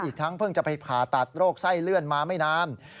ทั้งเพิ่งจะไปผ่าตัดโรคไส้เลื่อนมาไม่นาน